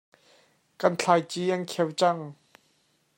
Kan thlaici an kheo cang.